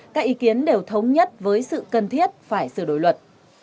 các ý kiến đều thống nhất với sự cần thiết phải sửa đổi luật